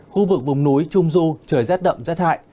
khu vực vùng núi trung du trời rét đậm rét hại